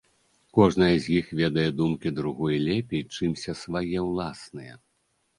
Кожная з іх ведае думкі другой лепей, чымся свае ўласныя.